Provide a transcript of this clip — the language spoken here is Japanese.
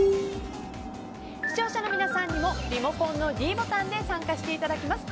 視聴者の皆さんにもリモコンのｄボタンで参加していただきます。